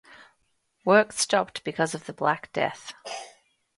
Work stopped because of the Black Death.